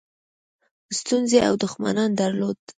ستونزې او دښمنان درلودل.